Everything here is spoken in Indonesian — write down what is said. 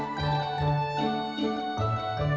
agak buruk ya bang